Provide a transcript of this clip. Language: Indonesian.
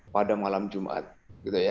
pada malam jumat gitu ya